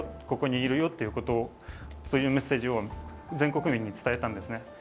ここにいるよということをそういうメッセージを全国民に伝えたんですね。